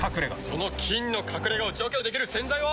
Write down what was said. その菌の隠れ家を除去できる洗剤は。